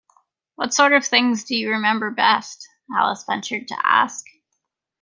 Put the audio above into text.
‘What sort of things do you remember best?’ Alice ventured to ask.